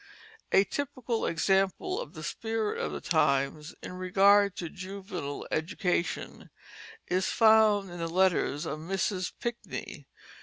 A typical example of the spirit of the times in regard to juvenile education is found in the letters of Mrs. Pinckney.